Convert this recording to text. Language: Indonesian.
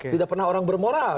tidak pernah orang bermoral